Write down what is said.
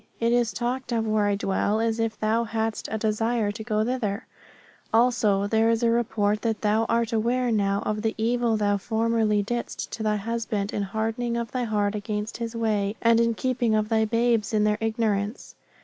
It is talked of where I dwell as if thou hadst a desire to go thither; also, there is a report that thou art aware now of the evil thou formerly didst to thy husband in hardening of thy heart against his way, and in keeping of thy babes in their ignorance.